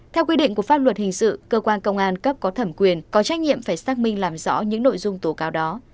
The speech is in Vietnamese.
theo quy định của pháp luật hình sự cơ quan công an cấp có thẩm quyền có trách nhiệm phải xác minh làm rõ những nội dung tố cáo đó